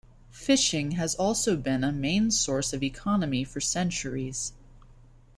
Fishing has also been a main source of economy for centuries.